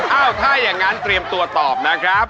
ถ้าอย่างนั้นเตรียมตัวตอบนะครับ